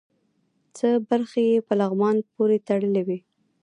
څه برخې یې په لغمان پورې تړلې وې.